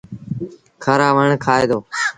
کآرآ وڻ کآئي دو۔